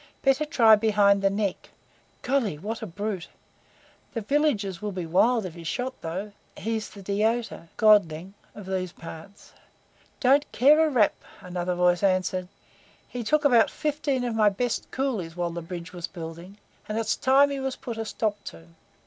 Better try behind the neck. Golly! what a brute! The villagers will be wild if he's shot, though. He's the deota [godling] of these parts." "Don't care a rap," another voice answered; "he took about fifteen of my best coolies while the bridge was building, and it's time he was put a stop to.